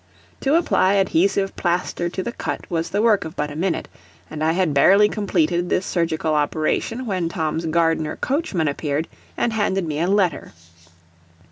To apply adhesive plaster to the cut was the work of but a minute, and I had barely completed this surgical operation when Tom's gardener coachman appeared and handed me a letter.